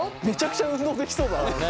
めちゃくちゃ運動できそうだな！